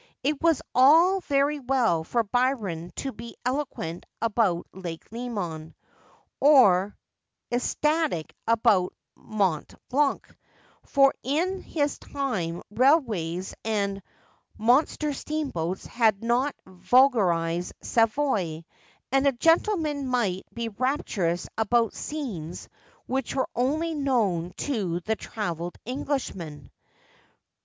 It was all very well for Byron to be eloquent about Lake Leman or ecstatic about Mont Blanc ; for in his time railways and mon ster steamboats had not vulgarised Savoy, and a gentleman might be rapturous about scenes which were only known to the travelled Englishman.